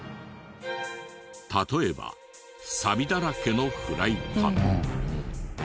例えばサビだらけのフライパン。